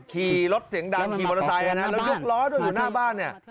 ขี่รถเสียงดังขี่วออสไตรแล้วยกร้อนมันอยู่หน้าบ้าน